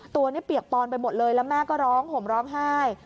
ตัวนี้เปียกปอนไปหมดเลยแล้วแม่ก็ร้องห่มร้องไห้